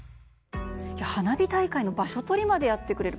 花火大会の場所取りまでやってくれる。